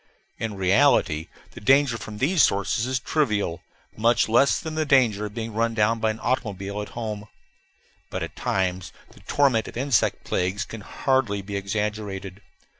In reality, the danger from these sources is trivial, much less than the danger of being run down by an automobile at home. But at times the torment of insect plagues can hardly be exaggerated.